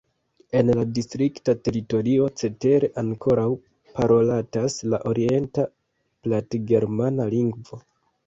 En la distrikta teritorio cetere ankoraŭ parolatas la orienta platgermana lingvo.